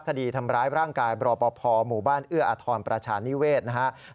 คดีทำร้ายร่างกายบรปภหมู่บ้านเอื้ออทรประชานิเวศนะครับ